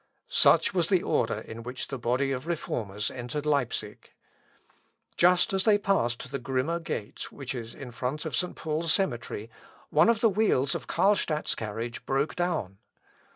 Such was the order in which the body of Reformers entered Leipsic. Just as they passed the Grimma gate, which is in front of St. Paul's cemetery, one of the wheels of Carlstadt's carriage broke down.